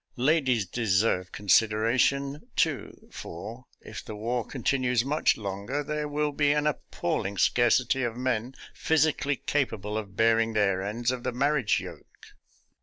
Ladies deserve consideration, too, for, if the war continues much longer, there will be an appalling scarcity of men physically capable of bearing their ends of the marriage yoke.